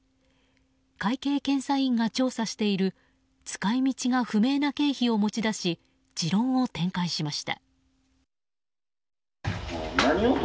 会計検査院が調査している使い道が不明な経費を持ち出し持論を展開しました。